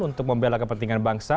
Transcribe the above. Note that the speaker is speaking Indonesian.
untuk membela kepentingan bangsa